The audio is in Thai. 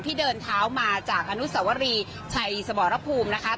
เดินเท้ามาจากอนุสวรีชัยสมรภูมินะคะ